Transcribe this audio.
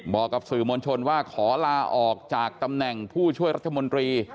บอกกับสื่อมวลชนว่าขอลาออกจากตำแหน่งผู้ช่วยรัฐมนตรี